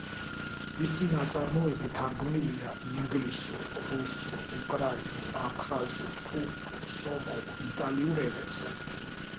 მისი ნაწარმოები თარგმნილია ინგლისურ, რუსულ, უკრაინულ, აფხაზურ, თურქულ, სომხურ, იტალიურ ენებზე.